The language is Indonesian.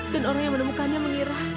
dan orang yang menemukannya mengira